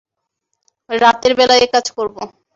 রাতের বেলা এ কাজ করবো।